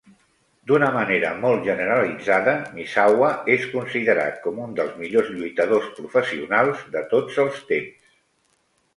D'una manera molt generalitzada, Misawa és considerat com un dels millors lluitadors professionals de tots els temps.